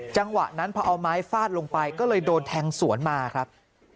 จังหวะนั้นพอเอาไม้ฟาดลงไปก็เลยโดนแทงสวนมาครับ